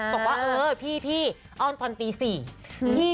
บอกว่าเออพี่อ้อนตอนตี๔